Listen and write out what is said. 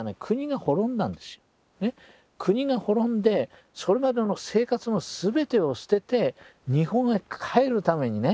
国が滅んでそれまでの生活の全てを捨てて日本へ帰るためにね。